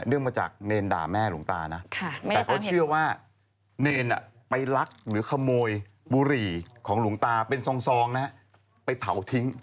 มาจากเนรด่าแม่หลวงตานะแต่เขาเชื่อว่าเนรไปลักหรือขโมยบุหรี่ของหลวงตาเป็นซองนะฮะไปเผาทิ้ง